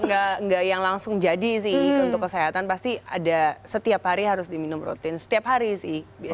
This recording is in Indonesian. nggak yang langsung jadi sih untuk kesehatan pasti ada setiap hari harus diminum rutin setiap hari sih